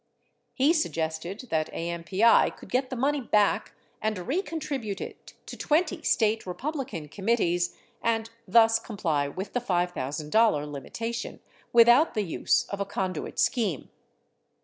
He suggested that AMPI could get the money back and recontribute it to 20 State Republican committees— and thus comply with the $5,000 limitation— without the use of a con duit scheme.